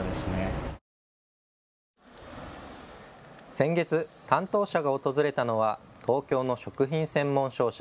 先月、担当者が訪れたのは東京の食品専門商社。